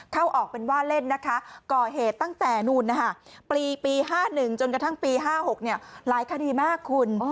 เข้าออกเป็นว่าเล่นก่อเหตุตั้งแต่ปี๕๑๕๖หลายคณีมากคุณ